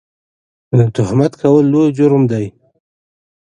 تهمت کول لوی جرم دی